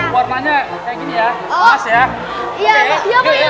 makasih ya pak